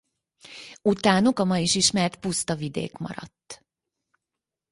Utánuk a ma is ismert puszta vidék maradt.